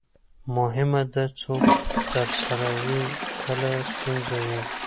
مهمه ده، څوک درسره وي کله ستونزه وي.